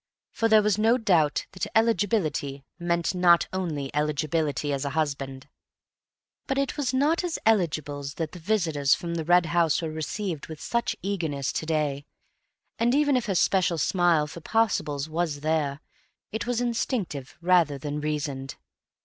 For there was no doubt that eligibility meant not only eligibility as a husband. But it was not as "eligibles" that the visitors from the Red House were received with such eagerness to day, and even if her special smile for "possibles" was there, it was instinctive rather than reasoned.